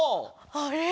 あれ？